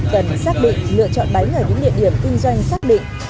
cần xác định lựa chọn bánh ở những địa điểm kinh doanh xác định